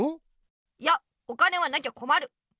いやお金はなきゃこまる！